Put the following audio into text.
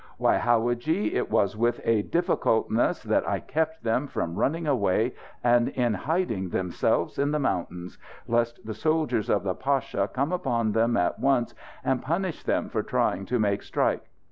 Why, howadji, it was with a difficultness that I kept them from running away and enhiding themselfs in the mountains, lest the soldiers of the pasha come upon them at once and punish them for trying to make strike!